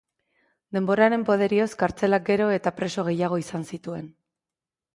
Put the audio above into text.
Denboraren poderioz, kartzelak gero eta preso gehiago izan zituen.